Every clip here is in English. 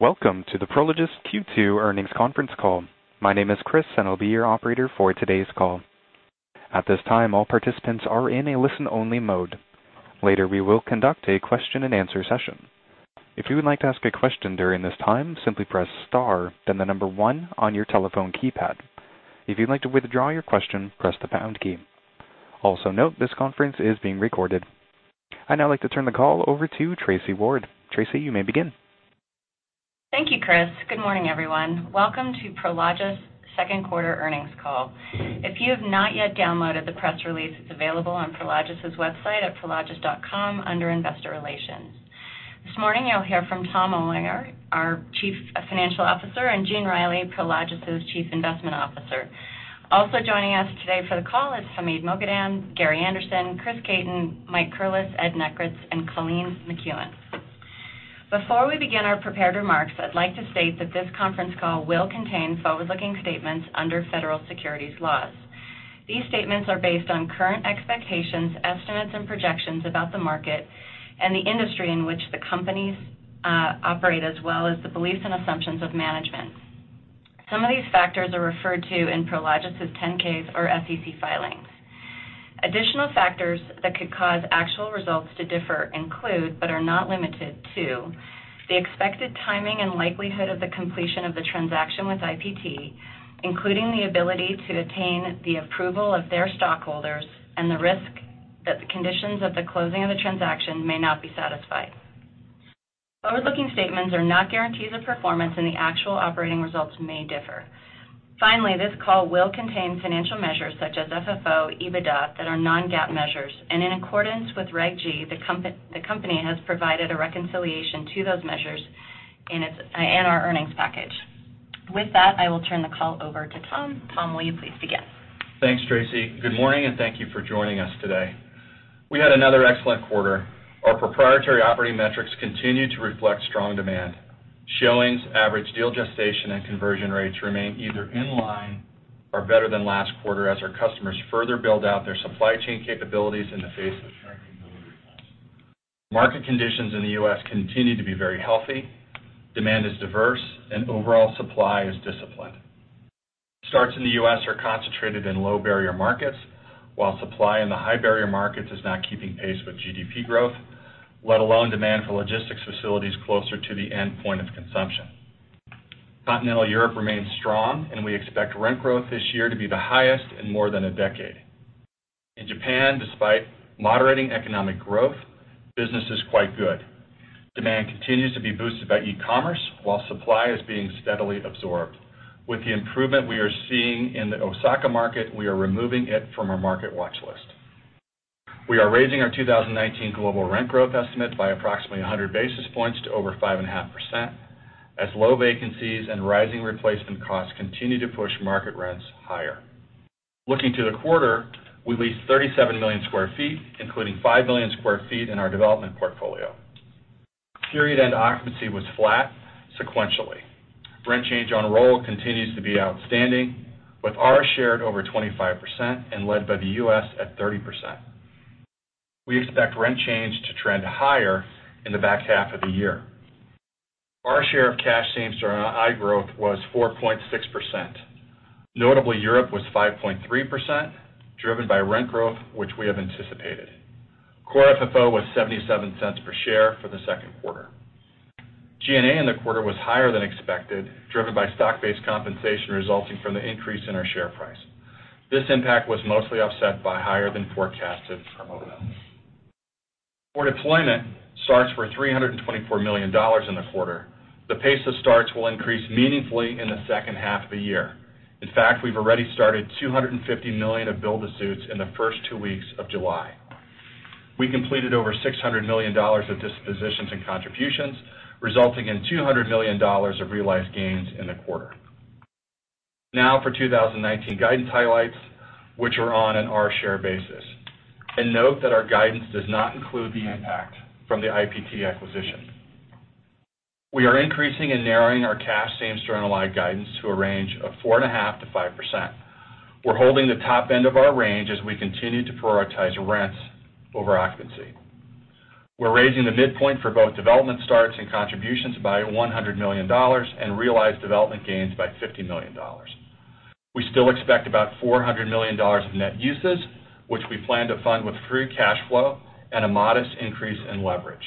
Welcome to the Prologis Q2 earnings conference call. My name is Chris and I'll be your operator for today's call. At this time, all participants are in a listen-only mode. Later, we will conduct a question and answer session. If you would like to ask a question during this time, simply press star, then the number one on your telephone keypad. If you'd like to withdraw your question, press the pound key. Also note this conference is being recorded. I'd now like to turn the call over to Tracy Ward. Tracy, you may begin. Thank you, Chris. Good morning, everyone. Welcome to Prologis' second quarter earnings call. If you have not yet downloaded the press release, it's available on Prologis' website at prologis.com under Investor Relations. This morning, you'll hear from Tom Olinger, our Chief Financial Officer, and Gene Reilly, Prologis' Chief Investment Officer. Also joining us today for the call is Hamid Moghadam, Gary Anderson, Chris Caton, Mike Curless, Ed Nekritz, and Colleen McKeown. Before we begin our prepared remarks, I'd like to state that this conference call will contain forward-looking statements under federal securities laws. These statements are based on current expectations, estimates, and projections about the market and the industry in which the companies operate, as well as the beliefs and assumptions of management. Some of these factors are referred to in Prologis' 10-Ks or SEC filings. Additional factors that could cause actual results to differ include, but are not limited to, the expected timing and likelihood of the completion of the transaction with IPT, including the ability to attain the approval of their stockholders and the risk that the conditions of the closing of the transaction may not be satisfied. Forward-looking statements are not guarantees of performance, and the actual operating results may differ. Finally, this call will contain financial measures such as FFO, EBITDA, that are non-GAAP measures, and in accordance with Reg G, the company has provided a reconciliation to those measures in our earnings package. With that, I will turn the call over to Tom. Tom, will you please begin? Thanks, Tracy. Good morning, and thank you for joining us today. We had another excellent quarter. Our proprietary operating metrics continued to reflect strong demand. Showings, average deal gestation, and conversion rates remain either in line or better than last quarter as our customers further build out their supply chain capabilities in the face of shrinking delivery costs. Market conditions in the U.S. continue to be very healthy. Demand is diverse and overall supply is disciplined. Starts in the U.S. are concentrated in low-barrier markets, while supply in the high-barrier markets is not keeping pace with GDP growth, let alone demand for logistics facilities closer to the endpoint of consumption. Continental Europe remains strong, and we expect rent growth this year to be the highest in more than a decade. In Japan, despite moderating economic growth, business is quite good. Demand continues to be boosted by e-commerce while supply is being steadily absorbed. With the improvement we are seeing in the Osaka market, we are removing it from our market watchlist. We are raising our 2019 global rent growth estimate by approximately 100 basis points to over 5.5%, as low vacancies and rising replacement costs continue to push market rents higher. Looking to the quarter, we leased 37 million square feet, including 5 million square feet in our development portfolio. Period-end occupancy was flat sequentially. Rent change on roll continues to be outstanding, with our share at over 25% and led by the U.S. at 30%. We expect rent change to trend higher in the back half of the year. Our share of cash same-store NOI growth was 4.6%. Notably, Europe was 5.3%, driven by rent growth, which we have anticipated. Core FFO was $0.77 per share for the second quarter. G&A in the quarter was higher than expected, driven by stock-based compensation resulting from the increase in our share price. This impact was mostly offset by higher than forecasted promotes. For deployment, starts were $324 million in the quarter. The pace of starts will increase meaningfully in the second half of the year. In fact, we've already started $250 million of build-to-suits in the first two weeks of July. We completed over $600 million of dispositions and contributions, resulting in $200 million of realized gains in the quarter. Now for 2019 guidance highlights, which are on an our share basis. Note that our guidance does not include the impact from the IPT acquisition. We are increasing and narrowing our cash same-store NOI guidance to a range of 4.5%-5%. We're holding the top end of our range as we continue to prioritize rents over occupancy. We're raising the midpoint for both development starts and contributions by $100 million and realized development gains by $50 million. We still expect about $400 million of net uses, which we plan to fund with free cash flow and a modest increase in leverage.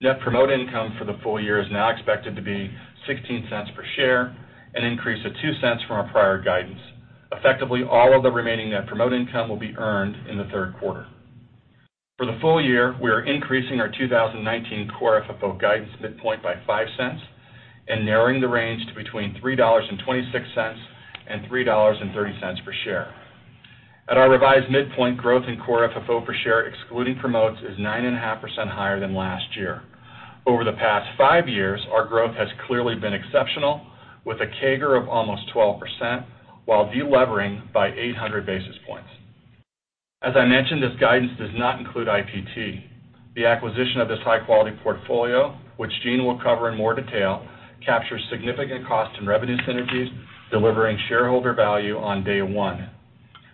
Net promote income for the full year is now expected to be $0.16 per share, an increase of $0.02 from our prior guidance. Effectively, all of the remaining net promote income will be earned in the third quarter. For the full year, we are increasing our 2019 core FFO guidance midpoint by $0.05 and narrowing the range to between $3.26 and $3.30 per share. At our revised midpoint, growth in core FFO per share excluding promotes is 9.5% higher than last year. Over the past five years, our growth has clearly been exceptional, with a CAGR of almost 12%, while deleveraging by 800 basis points. As I mentioned, this guidance does not include IPT. The acquisition of this high-quality portfolio, which Gene will cover in more detail, captures significant cost and revenue synergies, delivering shareholder value on day one.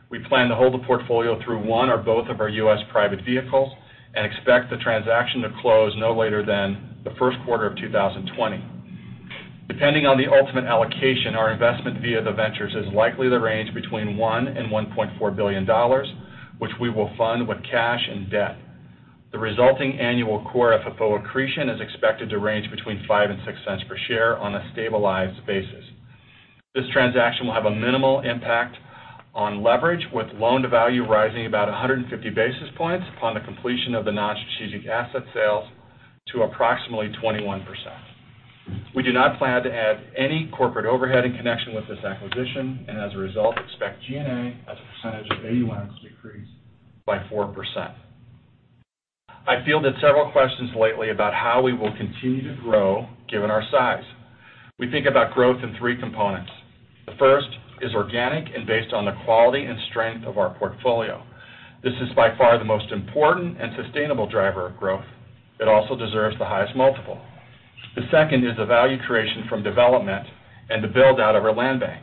We plan to hold the portfolio through one or both of our U.S. private vehicles and expect the transaction to close no later than the first quarter of 2020. Depending on the ultimate allocation, our investment via the ventures is likely to range between $1 billion and $1.4 billion, which we will fund with cash and debt. The resulting annual core FFO accretion is expected to range between $0.05 and $0.06 per share on a stabilized basis. This transaction will have a minimal impact on leverage, with loan-to-value rising about 150 basis points upon the completion of the non-strategic asset sales to approximately 21%. We do not plan to add any corporate overhead in connection with this acquisition, and as a result, expect G&A as a percentage of AUM to decrease by 4%. I fielded several questions lately about how we will continue to grow given our size. We think about growth in three components. The first is organic and based on the quality and strength of our portfolio. This is by far the most important and sustainable driver of growth. It also deserves the highest multiple. The second is the value creation from development and the build-out of our land bank.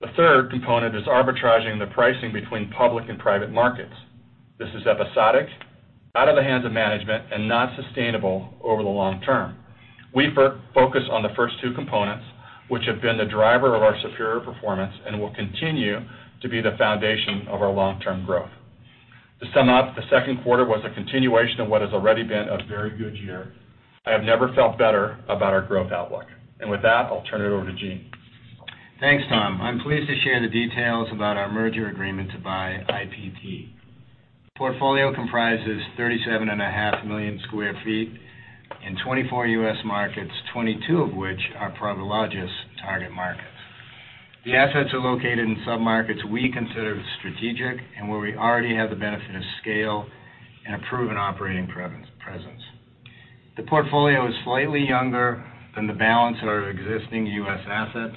The third component is arbitraging the pricing between public and private markets. This is episodic, out of the hands of management, not sustainable over the long term. We focus on the first two components, which have been the driver of our superior performance and will continue to be the foundation of our long-term growth. To sum up, the second quarter was a continuation of what has already been a very good year. I have never felt better about our growth outlook. With that, I'll turn it over to Gene. Thanks, Tom. I'm pleased to share the details about our merger agreement to buy IPT. The portfolio comprises 37.5 million square feet in 24 U.S. markets, 22 of which are Prologis target markets. The assets are located in submarkets we consider strategic and where we already have the benefit of scale and a proven operating presence. The portfolio is slightly younger than the balance of our existing U.S. assets,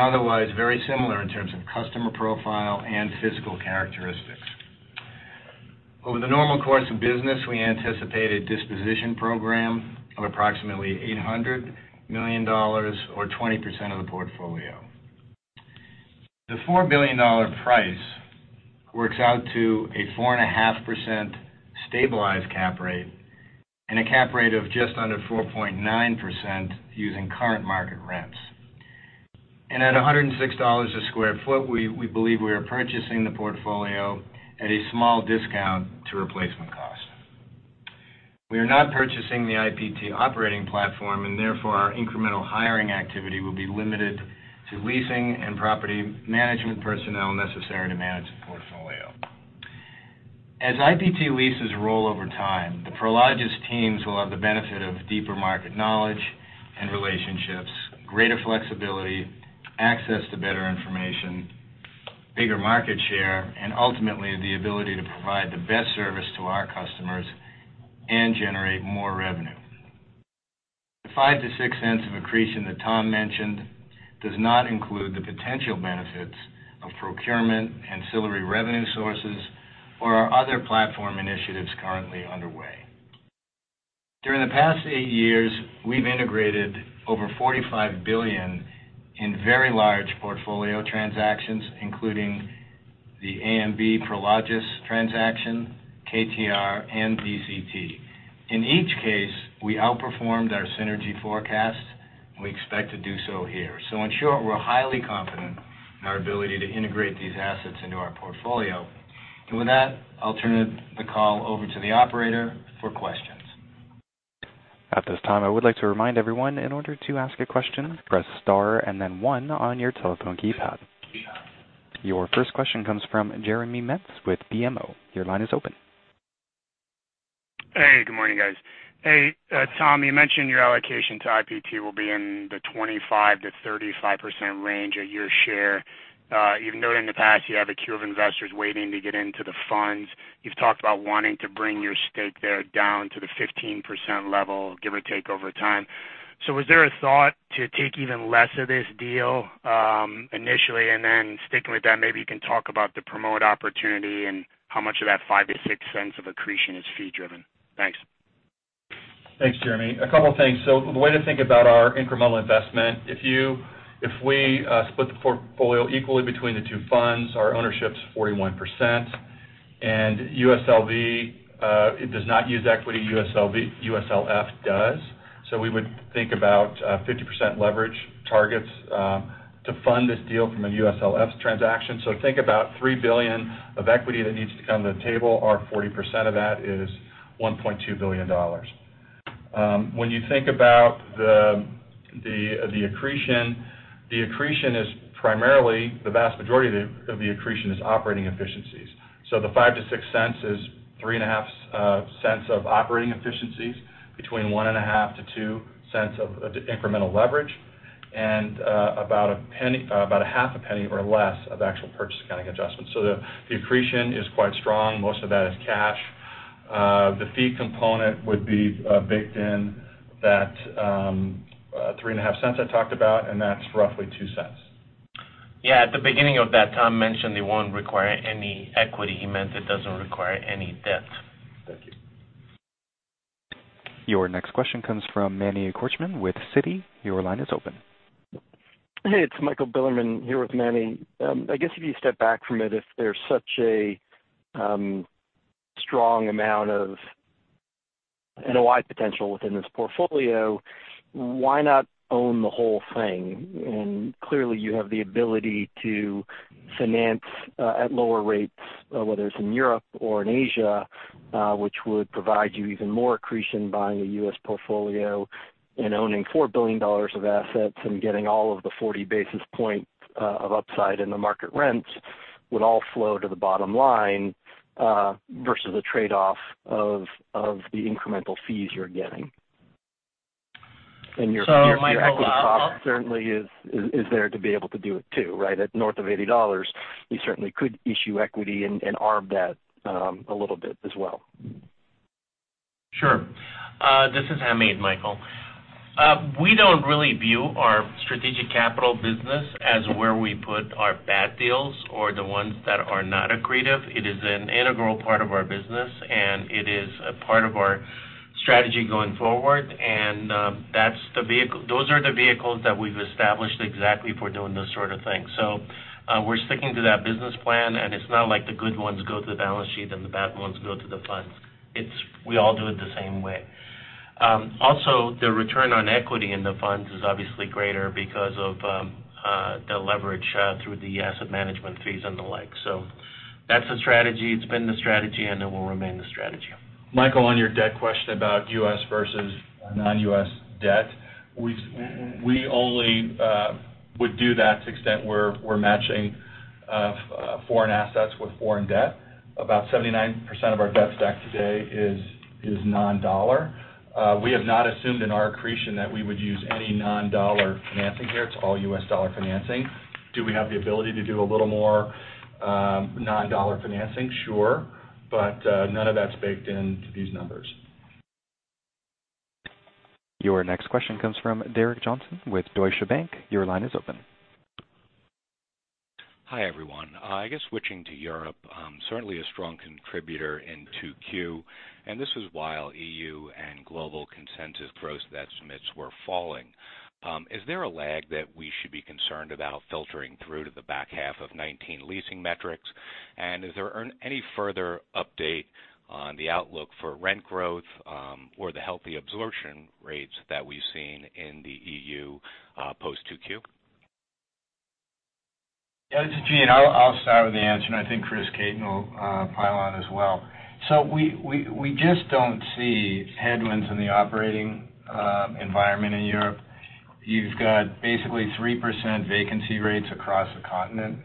otherwise very similar in terms of customer profile and physical characteristics. Over the normal course of business, we anticipate a disposition program of approximately $800 million or 20% of the portfolio. The $4 billion price works out to a 4.5% stabilized cap rate and a cap rate of just under 4.9% using current market rents. At $106 a square foot, we believe we are purchasing the portfolio at a small discount to replacement cost. We are not purchasing the IPT operating platform, and therefore, our incremental hiring activity will be limited to leasing and property management personnel necessary to manage the portfolio. As IPT leases roll over time, the Prologis teams will have the benefit of deeper market knowledge and relationships, greater flexibility, access to better information, bigger market share, and ultimately, the ability to provide the best service to our customers and generate more revenue. The $0.05-$0.06 of accretion that Tom mentioned does not include the potential benefits of procurement, ancillary revenue sources, or our other platform initiatives currently underway. During the past eight years, we've integrated over $45 billion in very large portfolio transactions, including the AMB Prologis transaction, KTR, and DCT. In each case, we outperformed our synergy forecast and we expect to do so here. In short, we're highly confident in our ability to integrate these assets into our portfolio. With that, I'll turn the call over to the operator for questions. At this time, I would like to remind everyone, in order to ask a question, press star and then one on your telephone keypad. Your first question comes from Jeremy Metz with BMO. Your line is open. Hey, good morning, guys. Hey, Tom, you mentioned your allocation to IPT will be in the 25%-35% range at your share. You've noted in the past you have a queue of investors waiting to get into the funds. You've talked about wanting to bring your stake there down to the 15% level, give or take, over time. Was there a thought to take even less of this deal initially? Sticking with that, maybe you can talk about the promote opportunity and how much of that $0.05-$0.06 of accretion is fee-driven. Thanks. Thanks, Jeremy. A couple of things. The way to think about our incremental investment, if we split the portfolio equally between the two funds, our ownership's 41%. USLV does not use equity. USLF does. We would think about 50% leverage targets to fund this deal from a USLF transaction. Think about $3 billion of equity that needs to come to the table. Our 40% of that is $1.2 billion. When you think about the accretion, the vast majority of the accretion is operating efficiencies. The $0.05-$0.06 is $0.035 of operating efficiencies, between $0.015-$0.02 of incremental leverage, and about $0.005 or less of actual purchase accounting adjustments. The accretion is quite strong. Most of that is cash. The fee component would be baked in that $0.035 I talked about, and that's roughly $0.02. Yeah. At the beginning of that, Tom mentioned it won't require any equity. He meant it doesn't require any debt. Thank you. Your next question comes from Manny Korchman with Citi. Your line is open. Hey, it's Michael Bilerman here with Manny. I guess if you step back from it, if there's such a strong amount of NOI potential within this portfolio, why not own the whole thing? Clearly you have the ability to finance at lower rates, whether it's in Europe or in Asia, which would provide you even more accretion buying a U.S. portfolio and owning $4 billion of assets and getting all of the 40 basis points of upside in the market rents, would all flow to the bottom line, versus the trade-off of the incremental fees you're getting. Your equity cost certainly is there to be able to do it too, right? At north of $80, you certainly could issue equity and arm that a little bit as well. Sure. This is Hamid, Michael. We don't really view our strategic capital business as where we put our bad deals or the ones that are not accretive. It is an integral part of our business, and it is a part of our strategy going forward. Those are the vehicles that we've established exactly for doing those sort of things. We're sticking to that business plan, and it's not like the good ones go to the balance sheet and the bad ones go to the funds. We all do it the same way. Also, the return on equity in the funds is obviously greater because of the leverage through the asset management fees and the like. That's the strategy, it's been the strategy, and it will remain the strategy. Michael, on your debt question about U.S. versus non-U.S. debt, we only would do that to the extent where we're matching foreign assets with foreign debt. About 79% of our debt stack today is non-USD. We have not assumed in our accretion that we would use any non-USD financing here. It's all U.S. dollar financing. Do we have the ability to do a little more non-USD financing? Sure. None of that's baked into these numbers. Your next question comes from Derek Johnston with Deutsche Bank. Your line is open. Hi, everyone. I guess switching to Europe, certainly a strong contributor in 2Q. This was while EU and global consensus grossed estimates were falling. Is there a lag that we should be concerned about filtering through to the back half of 2019 leasing metrics? Is there any further update on the outlook for rent growth, or the healthy absorption rates that we've seen in the EU, post 2Q? Yeah, this is Gene. I'll start with the answer, I think Chris Caton will pile on as well. We just don't see headwinds in the operating environment in Europe. You've got basically 3% vacancy rates across the continent.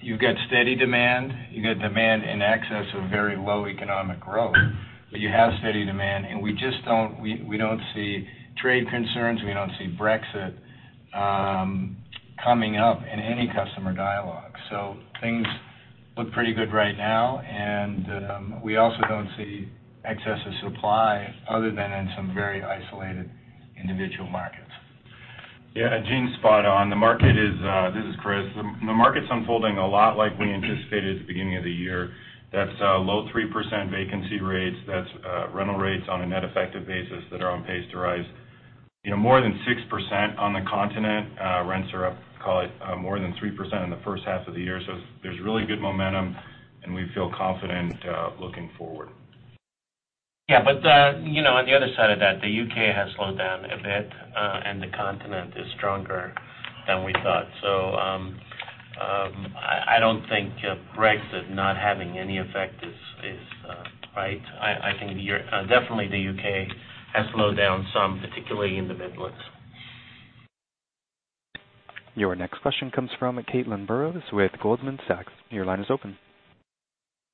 You've got steady demand. You've got demand in excess of very low economic growth. You have steady demand, we don't see trade concerns, we don't see Brexit coming up in any customer dialogue. Things look pretty good right now, we also don't see excess of supply other than in some very isolated individual markets. Yeah. Gene's spot on. This is Chris. The market's unfolding a lot like we anticipated at the beginning of the year. That's low 3% vacancy rates. That's rental rates on a net effective basis that are on pace to rise more than 6% on the continent. Rents are up, call it, more than 3% in the first half of the year. There's really good momentum, we feel confident looking forward. Yeah. On the other side of that, the U.K. has slowed down a bit, and the continent is stronger than we thought. I don't think Brexit not having any effect is right. I think definitely the U.K. has slowed down some, particularly in the Midlands. Your next question comes from Caitlin Burrows with Goldman Sachs. Your line is open.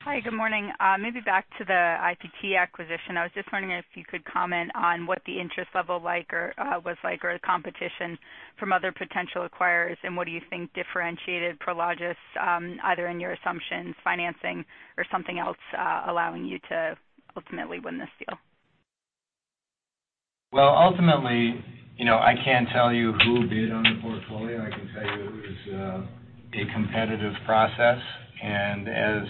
Hi, good morning. Maybe back to the IPT acquisition. I was just wondering if you could comment on what the interest level was like or the competition from other potential acquirers, and what do you think differentiated Prologis, either in your assumptions, financing or something else, allowing you to ultimately win this deal? Well, ultimately, I can't tell you who bid on the portfolio. I can tell you it was a competitive process, and as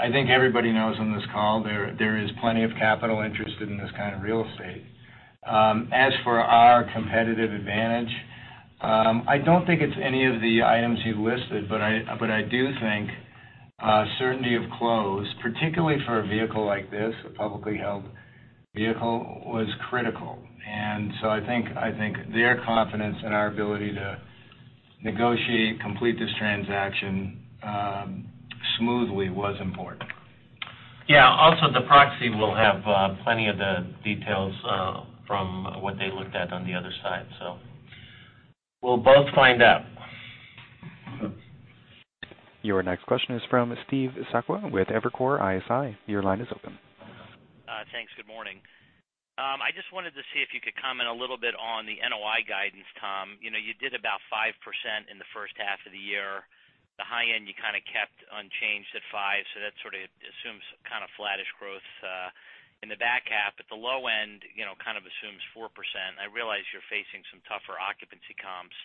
I think everybody knows on this call, there is plenty of capital interested in this kind of real estate. As for our competitive advantage, I don't think it's any of the items you listed, but I do think certainty of close, particularly for a vehicle like this, a publicly held vehicle, was critical. I think their confidence in our ability to negotiate, complete this transaction smoothly was important. Yeah. Also, the proxy will have plenty of the details from what they looked at on the other side. We'll both find out. Your next question is from Steve Sakwa with Evercore ISI. Your line is open. Thanks. Good morning. I just wanted to see if you could comment a little bit on the NOI guidance, Tom. You did about 5% in the first half of the year. The high end, you kind of kept unchanged at 5%, so that sort of assumes kind of flattish growth in the back half. At the low end, kind of 4%. I realize you're facing some tougher occupancy comps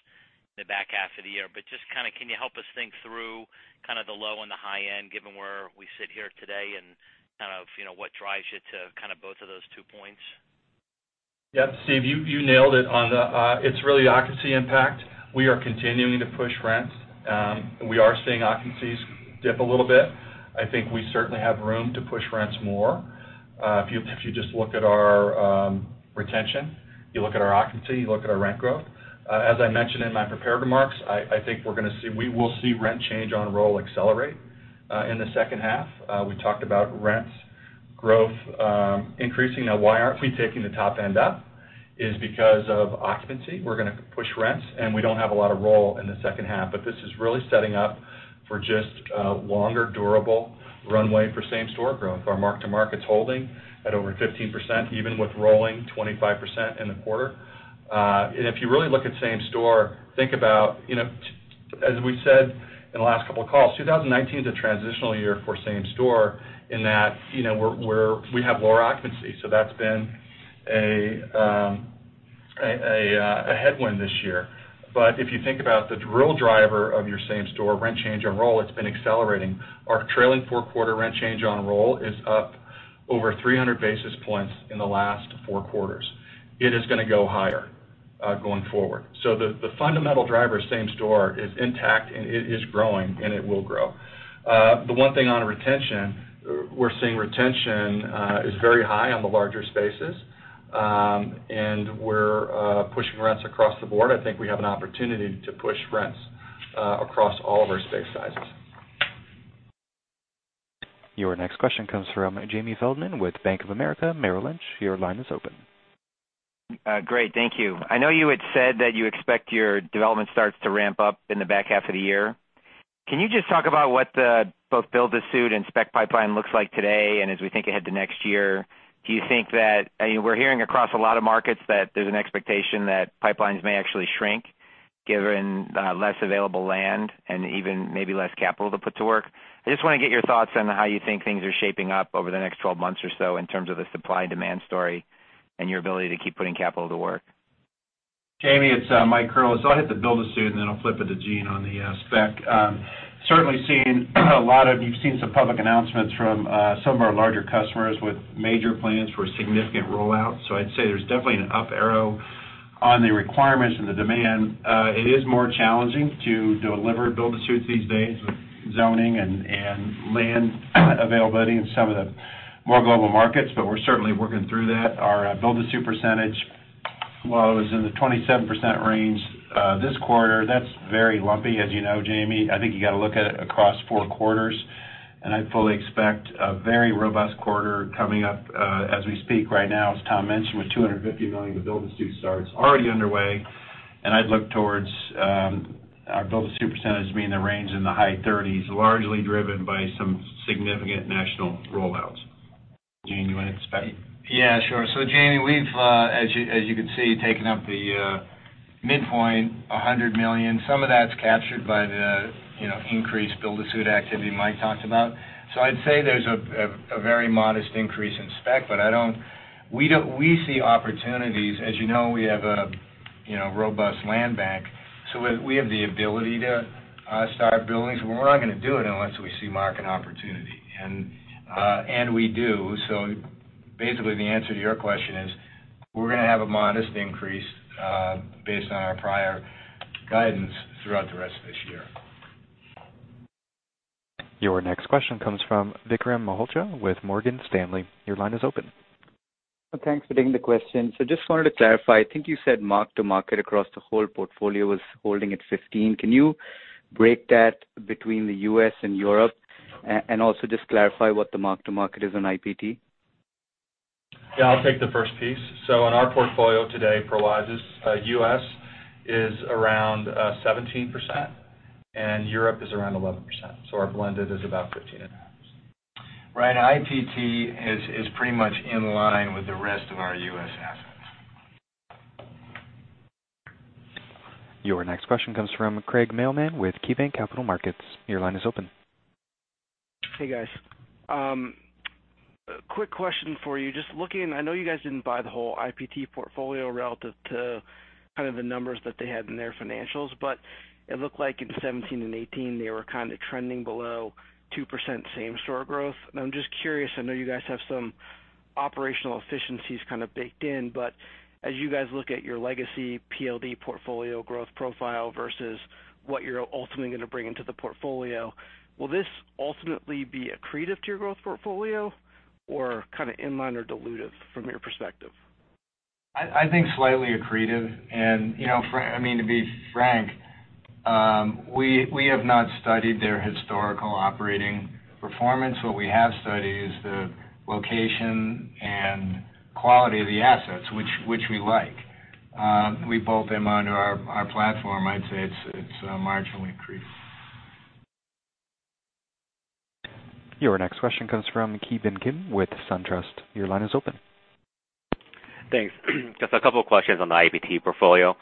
in the back half of the year, just can you help us think through the low and the high end, given where we sit here today and what drives you to both of those two points? Yep, Steve, you nailed it. It's really occupancy impact. We are continuing to push rents. We are seeing occupancies dip a little bit. I think we certainly have room to push rents more. If you just look at our retention, you look at our occupancy, you look at our rent growth. As I mentioned in my prepared remarks, I think we will see rent change on roll accelerate in the second half. We talked about rents growth increasing. Why aren't we taking the top end up is because of occupancy. We're going to push rents, and we don't have a lot of roll in the second half. This is really setting up for just a longer, durable runway for same-store growth. Our mark-to-market's holding at over 15%, even with rolling 25% in the quarter. If you really look at same store, think about, as we said in the last couple of calls, 2019's a transitional year for same store in that we have lower occupancy. That's been a headwind this year. If you think about the real driver of your same store rent change on roll, it's been accelerating. Our trailing four-quarter rent change on roll is up over 300 basis points in the last four quarters. It is going to go higher, going forward. The fundamental driver of same store is intact, and it is growing, and it will grow. The one thing on retention, we're seeing retention is very high on the larger spaces. We're pushing rents across the board. I think we have an opportunity to push rents across all of our space sizes. Your next question comes from Jamie Feldman with Bank of America Merrill Lynch. Your line is open. Great. Thank you. I know you had said that you expect your development starts to ramp up in the back half of the year. Can you just talk about what the both build-to-suit and spec pipeline looks like today, and as we think ahead to next year? We're hearing across a lot of markets that there's an expectation that pipelines may actually shrink given less available land and even maybe less capital to put to work. I just want to get your thoughts on how you think things are shaping up over the next 12 months or so in terms of the supply and demand story and your ability to keep putting capital to work. Jamie, it's Mike Curless. I'll hit the build-to-suit, and then I'll flip it to Gene on the spec. Certainly, you've seen some public announcements from some of our larger customers with major plans for a significant rollout. I'd say there's definitely an up arrow on the requirements and the demand. It is more challenging to deliver build-to-suit these days with zoning and land availability in some of the more global markets, but we're certainly working through that. Our build-to-suit percentage, while it was in the 27% range, this quarter, that's very lumpy. As you know, Jamie, I think you got to look at it across four quarters, and I fully expect a very robust quarter coming up, as we speak right now, as Tom mentioned, with $250 million of build-to-suit starts already underway. I'd look towards our build-to-suit percentage being in the range in the high 30s, largely driven by some significant national rollouts. Gene, you want to hit spec? Yeah, sure. Jamie, we've, as you can see, taken up the midpoint of $100 million. Some of that's captured by the increased build-to-suit activity Mike talked about. I'd say there's a very modest increase in spec. We see opportunities. As you know, we have a robust land bank, so we have the ability to start buildings, but we're not going to do it unless we see market opportunity. We do. Basically, the answer to your question is we're going to have a modest increase based on our prior guidance throughout the rest of this year. Your next question comes from Vikram Malhotra with Morgan Stanley. Your line is open. Thanks for taking the question. Just wanted to clarify. I think you said mark-to-market across the whole portfolio was holding at 15%. Can you break that between the U.S. and Europe? Also just clarify what the mark-to-market is on IPT. Yeah, I'll take the first piece. On our portfolio today, Prologis U.S. is around 17%, and Europe is around 11%. Our blended is about 15.5%. Right. IPT is pretty much in line with the rest of our U.S. assets. Your next question comes from Craig Mailman with KeyBanc Capital Markets. Your line is open. Hey, guys. Quick question for you. I know you guys didn't buy the whole IPT portfolio relative to kind of the numbers that they had in their financials, but it looked like in 2017 and 2018, they were kind of trending below 2% same-store growth. I'm just curious, I know you guys have some operational efficiencies kind of baked in, but as you guys look at your legacy PLD portfolio growth profile versus what you're ultimately going to bring into the portfolio, will this ultimately be accretive to your growth portfolio or kind of in line or dilutive from your perspective? I think slightly accretive. To be frank, we have not studied their historical operating performance. What we have studied is the location and quality of the assets, which we like. We bolt them onto our platform. I'd say it's marginally accretive. Your next question comes from Keith Rankin with SunTrust. Your line is open. Thanks. Just two questions on the IPT portfolio.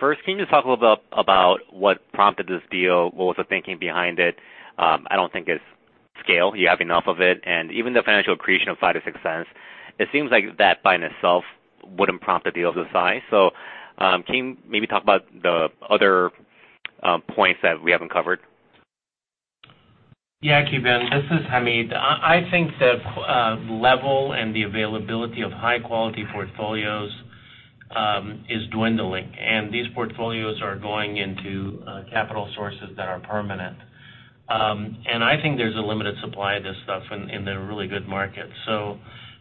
First, can you just talk a little bit about what prompted this deal? What was the thinking behind it? I don't think it's Scale, you have enough of it, even the financial accretion of $0.05-$0.06, it seems like that by itself wouldn't prompt a deal of this size. Can you maybe talk about the other points that we haven't covered? Yeah, Keith, this is Hamid. I think the level and the availability of high-quality portfolios is dwindling, and these portfolios are going into capital sources that are permanent. I think there's a limited supply of this stuff in the really good markets.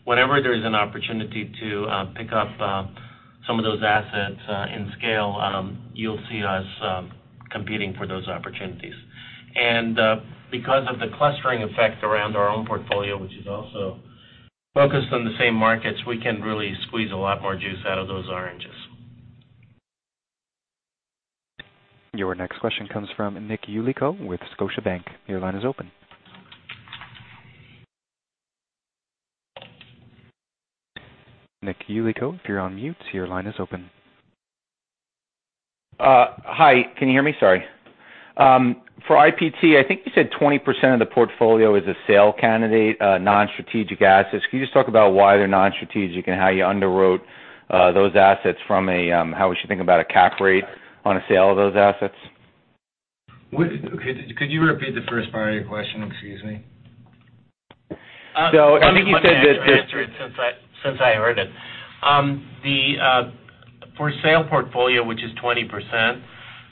Whenever there's an opportunity to pick up some of those assets in scale, you'll see us competing for those opportunities. Because of the clustering effect around our own portfolio, which is also focused on the same markets, we can really squeeze a lot more juice out of those oranges. Your next question comes from Nick Yulico with Scotiabank. Your line is open. Nick Yulico, if you're on mute, your line is open. Hi, can you hear me? Sorry. For IPT, I think you said 20% of the portfolio is a sale candidate, non-strategic assets. Can you just talk about why they're non-strategic and how we should think about a cap rate on a sale of those assets? Could you repeat the first part of your question? Excuse me. I think he said that. Let me answer it since I heard it. For sale portfolio, which is 20%,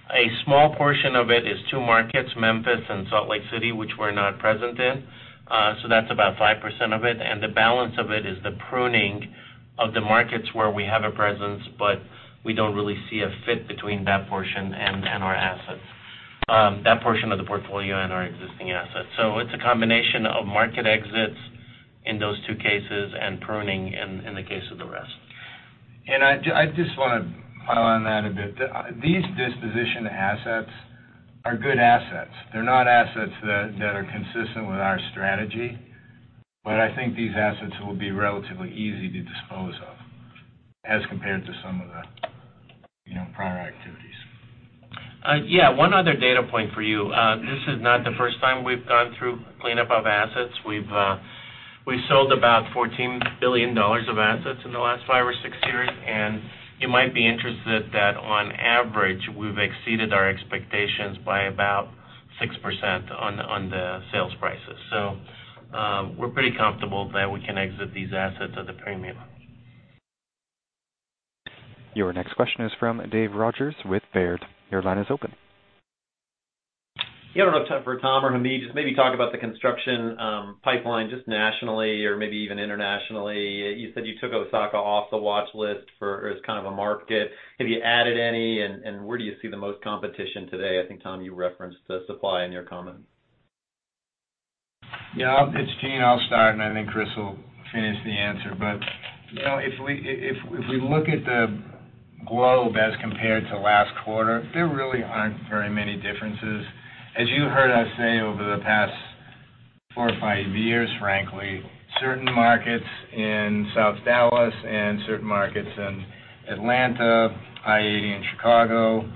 a small portion of it is two markets, Memphis and Salt Lake City, which we're not present in. That's about 5% of it. The balance of it is the pruning of the markets where we have a presence, but we don't really see a fit between that portion and our assets. That portion of the portfolio and our existing assets. It's a combination of market exits in those two cases and pruning in the case of the rest. I just want to follow on that a bit. These dispositioned assets are good assets. They're not assets that are consistent with our strategy, I think these assets will be relatively easy to dispose of as compared to some of the prior activities. Yeah. One other data point for you. This is not the first time we've gone through cleanup of assets. We've sold about $14 billion of assets in the last five or six years, you might be interested that on average, we've exceeded our expectations by about 6% on the sales prices. We're pretty comfortable that we can exit these assets at a premium. Your next question is from Dave Rodgers with Baird. Your line is open. Yeah, I don't know, Tom or Hamid, just maybe talk about the construction pipeline, just nationally or maybe even internationally. You said you took Osaka off the watch list as kind of a market. Have you added any, and where do you see the most competition today? I think, Tom, you referenced the supply in your comments. Yeah. It's Gene. I'll start, and I think Chris will finish the answer. If we look at the globe as compared to last quarter, there really aren't very many differences. As you heard us say over the past four or five years, frankly, certain markets in South Dallas and certain markets in Atlanta, I-80 in Chicago,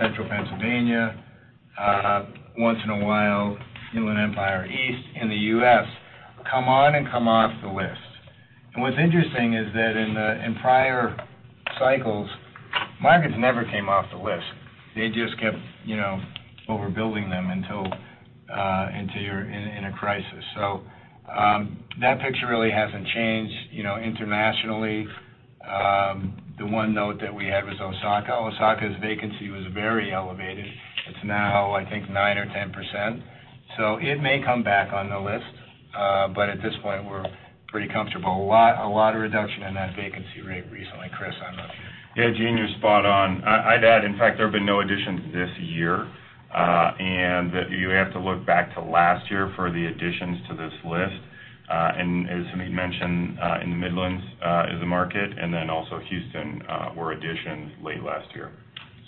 Central Pennsylvania, once in a while, Empire East in the U.S., come on and come off the list. What's interesting is that in prior cycles, markets never came off the list. They just kept overbuilding them until you're in a crisis. That picture really hasn't changed internationally. The one note that we had was Osaka. Osaka's vacancy was very elevated. It's now, I think, 9% or 10%, so it may come back on the list. At this point, we're pretty comfortable. A lot of reduction in that vacancy rate recently. Chris, Yeah. Gene, you're spot on. I'd add, in fact, there have been no additions this year, and that you have to look back to last year for the additions to this list. As Hamid mentioned, in the Midlands is a market and then also Houston were additions late last year.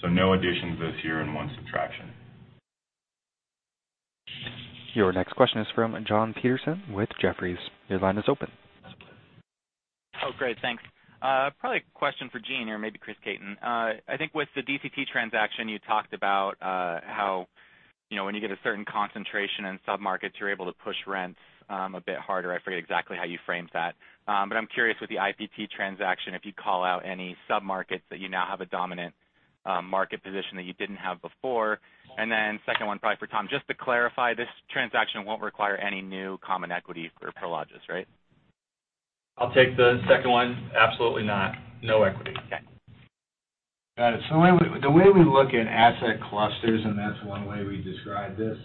No additions this year and one subtraction. Your next question is from Jon Petersen with Jefferies. Your line is open. Oh, great, thanks. Probably a question for Gene or maybe Chris Caton. I think with the DCT transaction, you talked about how when you get a certain concentration in sub-markets, you're able to push rents a bit harder. I forget exactly how you framed that. I'm curious with the IPT transaction, if you'd call out any sub-markets that you now have a dominant market position that you didn't have before. Then second one, probably for Tom, just to clarify, this transaction won't require any new common equity for Prologis, right? I'll take the second one. Absolutely not. No equity. Okay. Got it. The way we look at asset clusters, and that's one way we describe this,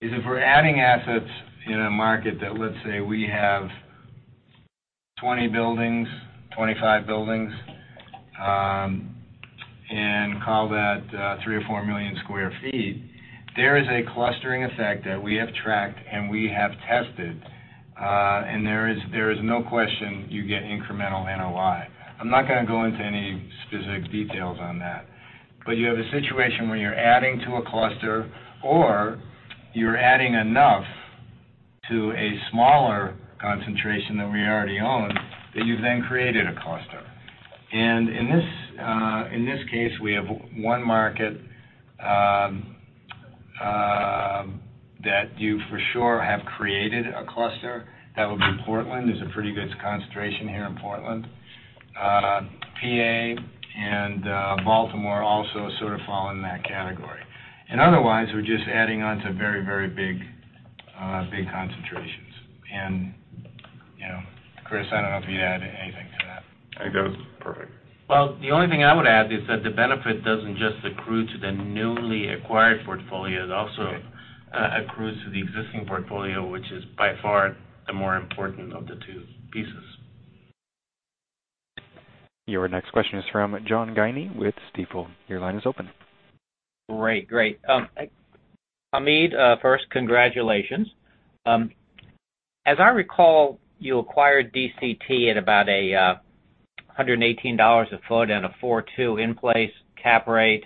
is if we're adding assets in a market that, let's say we have 20 buildings, 25 buildings, and call that 3 million square feet or 4 million square feet. There is a clustering effect that we have tracked and we have tested, and there is no question you get incremental NOI. I'm not going to go into any specific details on that. You have a situation where you're adding to a cluster, or you're adding enough to a smaller concentration that we already own that you've then created a cluster In this case, we have one market that you for sure have created a cluster. That would be Portland. There's a pretty good concentration here in Portland, P.A., and Baltimore also sort of fall in that category. Otherwise, we're just adding on to very big concentrations. Chris, I don't know if you'd add anything to that. I think that was perfect. Well, the only thing I would add is that the benefit doesn't just accrue to the newly acquired portfolio. It also accrues to the existing portfolio, which is by far the more important of the two pieces. Your next question is from John Guinee with Stifel. Your line is open. Great. Hamid, first, congratulations. As I recall, you acquired DCT at about $118 a foot and a 4.2 in place cap rate.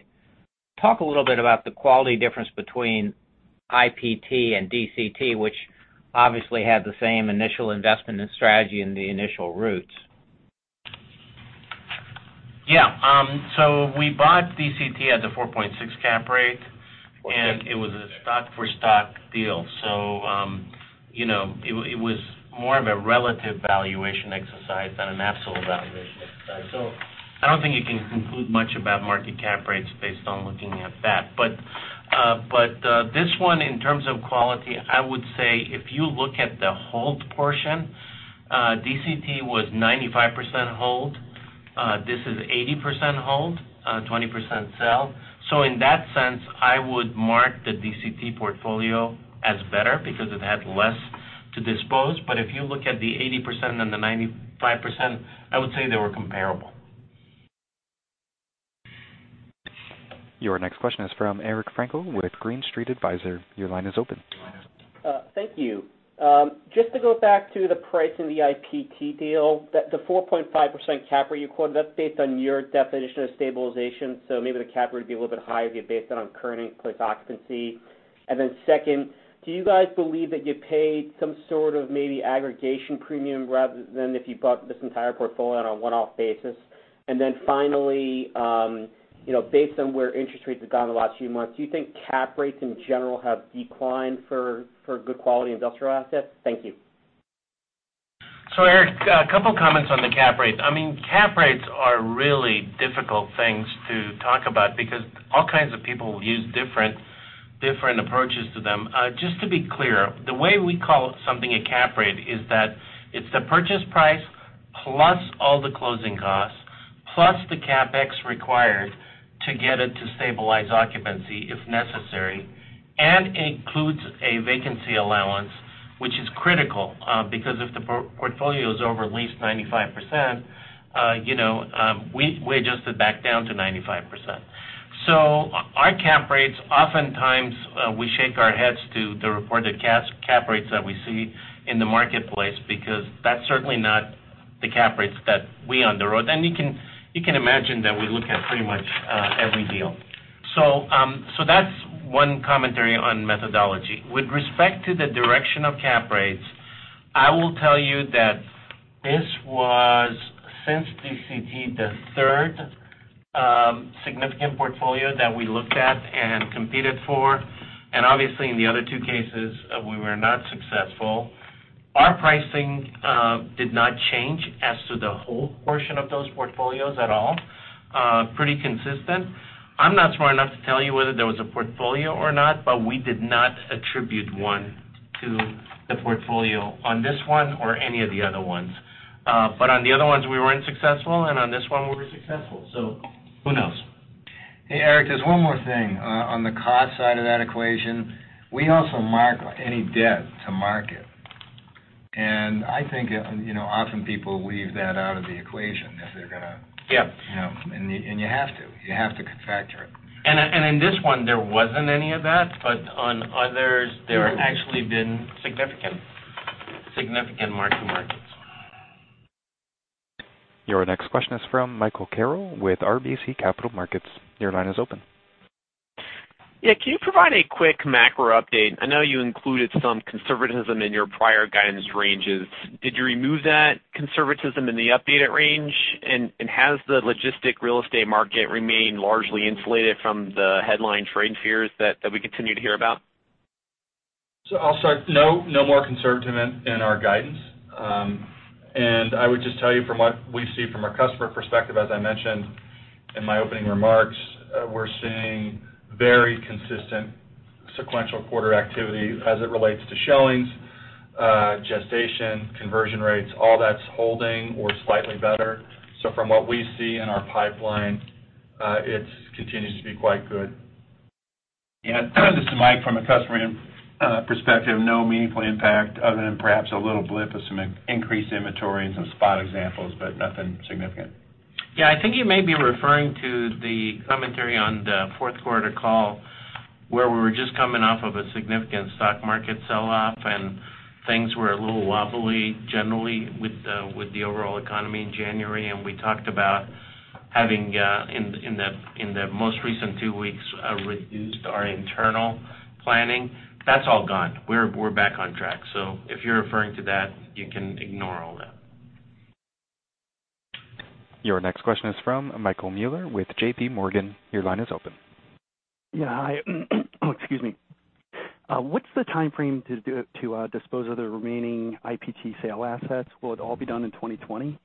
Talk a little bit about the quality difference between IPT and DCT, which obviously had the same initial investment and strategy in the initial routes. Yeah. We bought DCT at the 4.6 cap rate, It was a stock-for-stock deal. It was more of a relative valuation exercise than an absolute valuation exercise. I don't think you can conclude much about market cap rates based on looking at that. This one, in terms of quality, I would say if you look at the hold portion, DCT was 95% hold. This is 80% hold, 20% sell. In that sense, I would mark the DCT portfolio as better because it had less to dispose. If you look at the 80% and the 95%, I would say they were comparable. Your next question is from Eric Frankel with Green Street Advisors. Your line is open. Thank you. Just to go back to the pricing the IPT deal, the 4.5% cap rate you quoted, that's based on your definition of stabilization. Second, do you guys believe that you paid some sort of maybe aggregation premium rather than if you bought this entire portfolio on a one-off basis? Finally, based on where interest rates have gone in the last few months, do you think cap rates in general have declined for good quality industrial assets? Thank you. Eric, a couple of comments on the cap rates. Cap rates are really difficult things to talk about because all kinds of people use different approaches to them. Just to be clear, the way we call something a cap rate is that it's the purchase price plus all the closing costs, plus the CapEx required to get it to stabilize occupancy if necessary, and includes a vacancy allowance, which is critical, because if the portfolio is over at least 95%, we adjust it back down to 95%. Our cap rates, oftentimes, we shake our heads to the reported cap rates that we see in the marketplace because that's certainly not the cap rates that we underwrite. You can imagine that we look at pretty much every deal. That's one commentary on methodology. With respect to the direction of cap rates, I will tell you that this was, since DCT, the third significant portfolio that we looked at and competed for. Obviously in the other two cases, we were not successful. Our pricing did not change as to the whole portion of those portfolios at all. Pretty consistent. I'm not smart enough to tell you whether there was a portfolio or not, but we did not attribute one to the portfolio on this one or any of the other ones. On the other ones, we were unsuccessful, and on this one, we were successful. Who knows? Hey, Eric, there's one more thing. On the cost side of that equation, we also mark any debt to market. I think, often people leave that out of the equation. Yeah You have to. You have to factor it. In this one, there wasn't any of that. No There actually been significant mark-to-market. Your next question is from Michael Carroll with RBC Capital Markets. Your line is open. Yeah. Can you provide a quick macro update? I know you included some conservatism in your prior guidance ranges. Did you remove that conservatism in the updated range? Has the logistics real estate market remained largely insulated from the headline trade fears that we continue to hear about? I'll start. No more conservatism in our guidance. I would just tell you from what we see from a customer perspective, as I mentioned in my opening remarks, we're seeing very consistent sequential quarter activity as it relates to showings, gestation, conversion rates. All that's holding or slightly better. From what we see in our pipeline, it continues to be quite good. Yeah. This is Mike. From a customer perspective, no meaningful impact other than perhaps a little blip of some increased inventory and some spot examples, but nothing significant. Yeah, I think you may be referring to the commentary on the fourth quarter call, where we were just coming off of a significant stock market sell-off, and things were a little wobbly, generally, with the overall economy in January. We talked about having, in the most recent two weeks, reduced our internal planning. That's all gone. We're back on track. If you're referring to that, you can ignore all that. Your next question is from Michael Mueller with JPMorgan. Your line is open. Yeah. Hi. Excuse me. What's the timeframe to dispose of the remaining IPT sale assets? Will it all be done in 2020?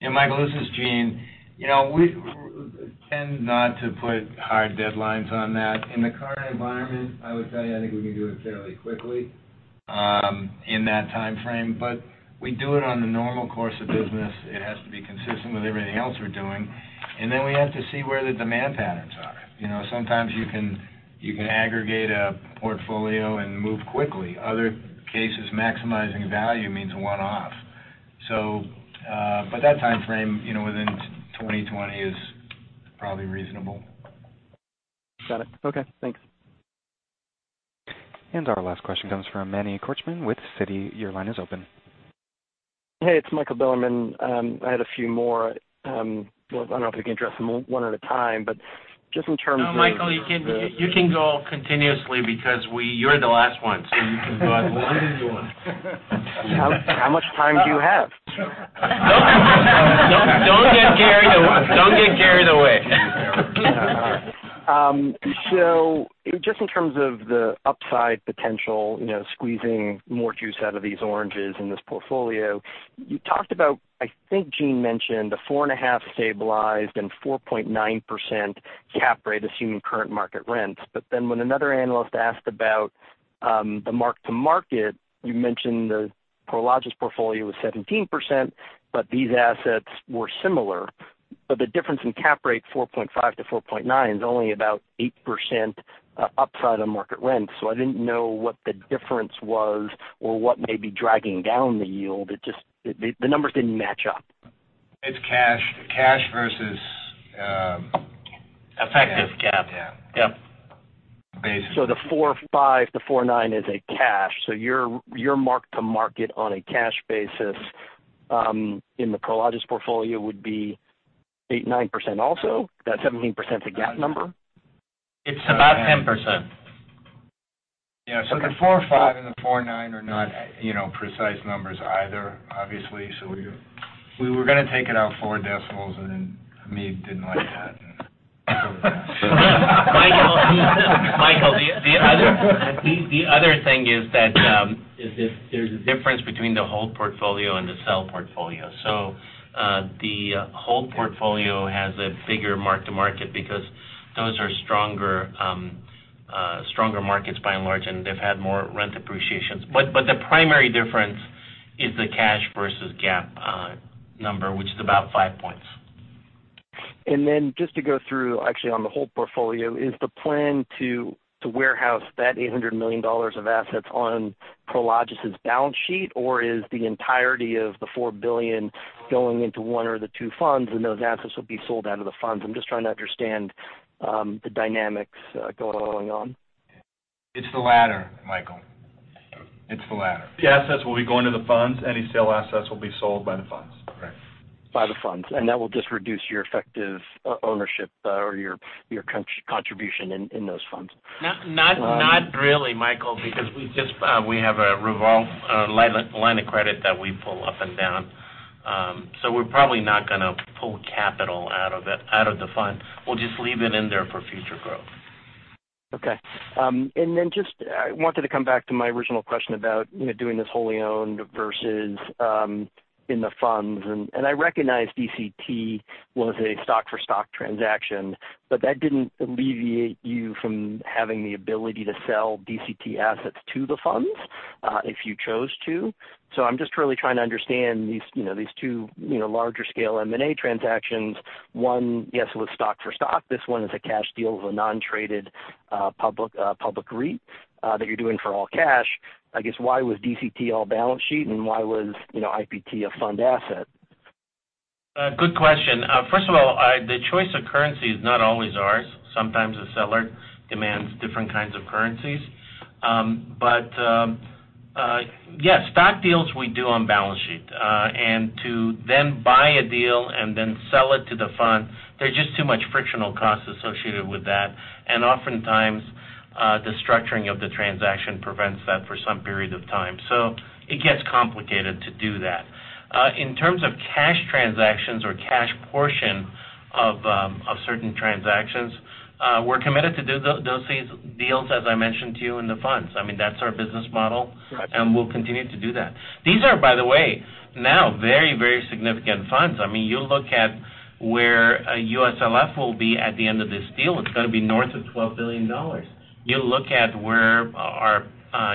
Yeah, Michael, this is Gene. We tend not to put hard deadlines on that. In the current environment, I would tell you, I think we can do it fairly quickly, in that timeframe. We do it on the normal course of business. It has to be consistent with everything else we're doing, then we have to see where the demand patterns are. Sometimes you can aggregate a portfolio and move quickly. Other cases, maximizing value means one-off. That timeframe, within 2020 is probably reasonable. Got it. Okay, thanks. Our last question comes from Manny Korchman with Citi. Your line is open. Hey, it's Michael Bilerman. I had a few more. Well, I don't know if you can address them one at a time, but just in terms of the- No, Michael, you can go continuously because you're the last one, you can go as long as you want. How much time do you have? Don't get carried away. Just in terms of the upside potential, squeezing more juice out of these oranges in this portfolio, you talked about, I think Gene mentioned the 4.5% stabilized and 4.9% cap rate, assuming current market rents. When another analyst asked about the mark-to-market, you mentioned the Prologis portfolio was 17%, but these assets were similar. The difference in cap rate, 4.5%-4.9%, is only about 8% upside on market rent. I didn't know what the difference was or what may be dragging down the yield. The numbers didn't match up. It's cash versus- Effective cap. Yeah. Yep. Basically. The 4.5%-4.9% is a cash. Your mark-to-market on a cash basis, in the Prologis portfolio, would be 8%-9% also? That 17% is a GAAP number? It's about 10%. Yeah. The 4.5 and the 4.9 are not precise numbers either, obviously. We were going to take it out four decimals and Hamid didn't like that. Michael, the other thing is that there's a difference between the hold portfolio and the sell portfolio. The hold portfolio has a bigger mark-to-market because those are stronger markets by and large, and they've had more rent appreciations. The primary difference is the cash versus GAAP number, which is about five points. Just to go through, actually on the hold portfolio, is the plan to warehouse that $800 million of assets on Prologis's balance sheet, or is the entirety of the $4 billion going into one or the two funds, and those assets will be sold out of the funds? I'm just trying to understand the dynamics going on. It's the latter, Michael. It's the latter. The assets will be going to the funds. Any sale assets will be sold by the funds. Correct. By the funds. That will just reduce your effective ownership, or your contribution in those funds. Not really, Michael, because we have a line of credit that we pull up and down. We're probably not going to pull capital out of the fund. We'll just leave it in there for future growth. Okay. Just, I wanted to come back to my original question about doing this wholly owned versus in the funds. I recognize DCT was a stock-for-stock transaction, but that didn't alleviate you from having the ability to sell DCT assets to the funds, if you chose to. I'm just really trying to understand these two larger scale M&A transactions. One, yes, it was stock for stock. This one is a cash deal with a non-traded public REIT, that you're doing for all cash. I guess, why was DCT all balance sheet and why was IPT a fund asset? Good question. First of all, the choice of currency is not always ours. Sometimes the seller demands different kinds of currencies. Yeah, stock deals, we do on balance sheet. To then buy a deal and then sell it to the fund, there's just too much frictional costs associated with that. Oftentimes, the structuring of the transaction prevents that for some period of time. It gets complicated to do that. In terms of cash transactions or cash portion of certain transactions, we're committed to do those deals, as I mentioned to you, in the funds. That's our business model. We'll continue to do that. These are, by the way, now very, very significant funds. You look at where USLF will be at the end of this deal, it's going to be north of $12 billion. You look at where our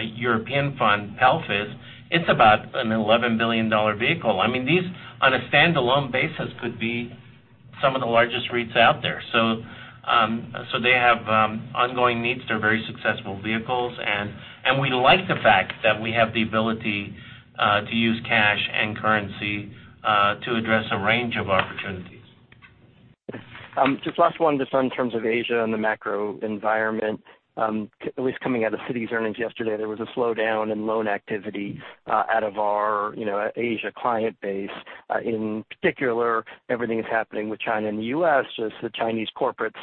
European fund, PELF, is, it's about an $11 billion vehicle. These, on a standalone basis, could be some of the largest REITs out there. They have ongoing needs. They're very successful vehicles and we like the fact that we have the ability to use cash and currency to address a range of opportunities. Just last one, just on terms of Asia and the macro environment. At least coming out of Citi's earnings yesterday, there was a slowdown in loan activity out of our Asia client base. In particular, everything that's happening with China and the U.S., just the Chinese corporates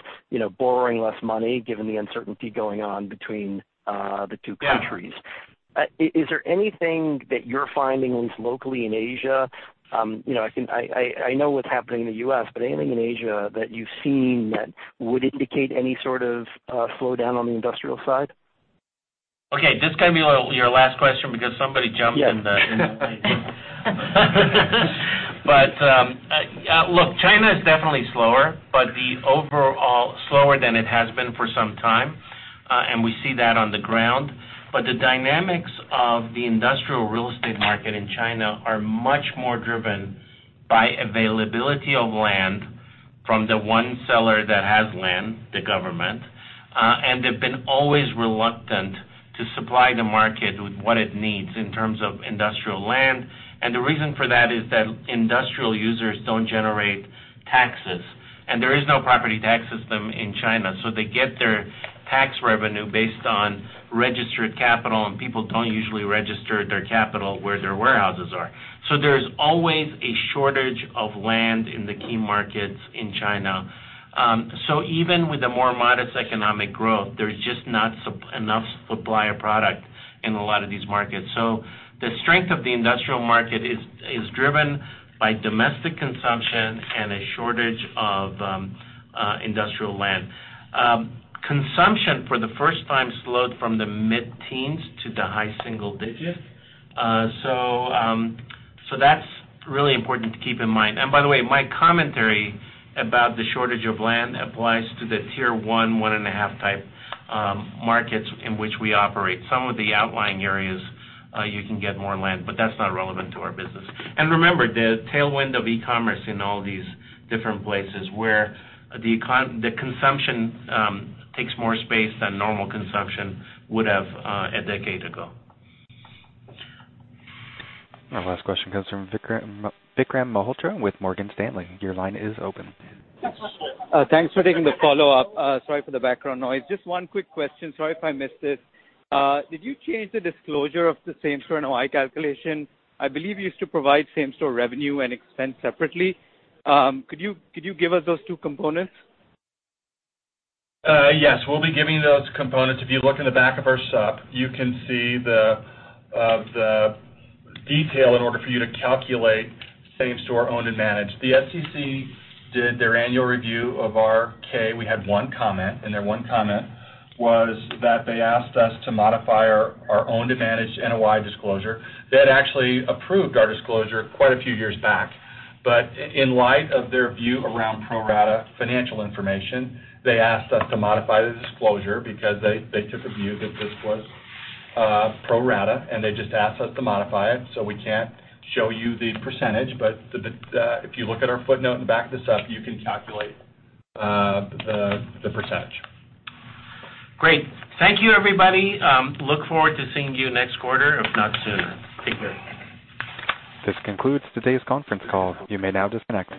borrowing less money given the uncertainty going on between the two countries. Yeah. Is there anything that you're finding, at least locally in Asia? I know what's happening in the U.S., but anything in Asia that you've seen that would indicate any sort of slowdown on the industrial side? This is going to be your last question because somebody jumped in. Yes. Look, China is definitely slower, but the overall slower than it has been for some time. We see that on the ground. The dynamics of the industrial real estate market in China are much more driven by availability of land from the one seller that has land, the government, and they've been always reluctant to supply the market with what it needs in terms of industrial land. The reason for that is that industrial users don't generate taxes. There is no property tax system in China. They get their tax revenue based on registered capital, and people don't usually register their capital where their warehouses are. There's always a shortage of land in the key markets in China. Even with the more modest economic growth, there's just not enough supply of product in a lot of these markets. The strength of the industrial market is driven by domestic consumption and a shortage of industrial land. Consumption for the first time slowed from the mid-teens to the high single digits. That's really important to keep in mind. By the way, my commentary about the shortage of land applies to the tier 1.5 type markets in which we operate. Some of the outlying areas, you can get more land, but that's not relevant to our business. Remember, the tailwind of e-commerce in all these different places where the consumption takes more space than normal consumption would have a decade ago. Our last question comes from Vikram Malhotra with Morgan Stanley. Your line is open. Thanks for taking the follow-up. Sorry for the background noise. Just one quick question. Sorry if I missed it. Did you change the disclosure of the same-store NOI calculation? I believe you used to provide same-store revenue and expense separately. Could you give us those two components? Yes. We'll be giving those components. If you look in the back of our sup, you can see the detail in order for you to calculate same-store owned and managed. The SEC did their annual review of our K. We had one comment. Their one comment was that they asked us to modify our owned and managed NOI disclosure. They had actually approved our disclosure quite a few years back. In light of their view around pro rata financial information, they asked us to modify the disclosure because they took a view that this was pro rata. They just asked us to modify it. We can't show you the percentage. If you look at our footnote in the back of the sup you can calculate the percentage. Great. Thank you, everybody. Look forward to seeing you next quarter, if not sooner. Take care. This concludes today's conference call. You may now disconnect.